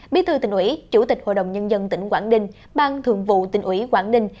biết thư tỉnh ủy chủ tịch hội đồng nhân dân tỉnh quảng đình bang thượng vụ tỉnh ủy quảng đình